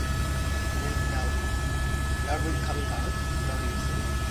Isn’t it lovely coming out, don’t you think?